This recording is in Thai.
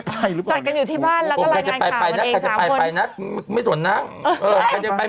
ใช่หรือเปล่าจัดกันอยู่ที่บ้านแล้วก็รายงานข่าวตนเอง๓คน